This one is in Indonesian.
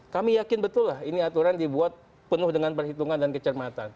kami yakin betul lah ini aturan dibuat penuh dengan perhitungan dan kecermatan